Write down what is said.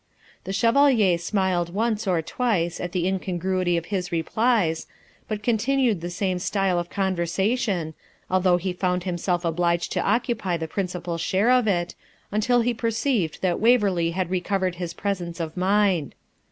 The Chevalier smiled once or twice at the incongruity of his replies, but continued the same style of conversation, although he found himself obliged to occupy the principal share of it, until he perceived that Waverley had recovered his presence of mind.